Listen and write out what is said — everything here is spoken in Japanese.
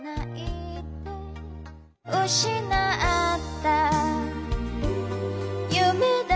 「失った夢だけが」